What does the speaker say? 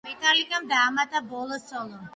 მეტალიკამ დაამატა ბოლო სოლო.